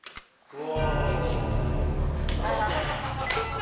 お。